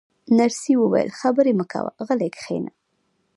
نرسې وویل: خبرې مه کوه، غلی کښېنه.